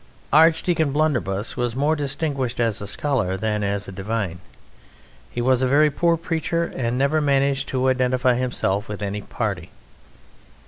Archdeacon Blunderbuss was more distinguished as a scholar than as a Divine. He was a very poor preacher and never managed to identify himself with any party.